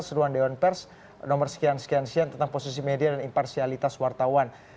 seruan dewan pers nomor sekian sekian sekian tentang posisi media dan imparsialitas wartawan